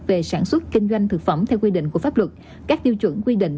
về sản xuất kinh doanh thực phẩm theo quy định của pháp luật các tiêu chuẩn quy định